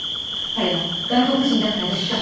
彼が外国人だからですか？